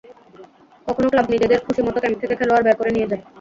কখনো ক্লাব নিজেদের খুশিমতো ক্যাম্প থেকে খেলোয়াড় বের করে নিয়ে যায়।